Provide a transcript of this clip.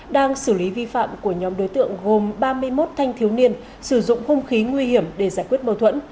đang xử lý vi phạm của nhóm đối tượng gồm ba mươi một thanh thiếu niên sử dụng hung khí nguy hiểm để giải quyết mâu thuẫn